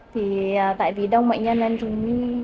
thì tại vì đông bệnh nhân nên chúng